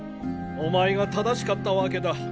お前が正しかったわけだ。